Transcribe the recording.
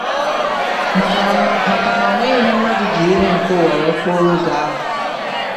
maka na o nweghị ihe mmadụ jiri ihe nke ụwa wee kpọrọ oge ahụ.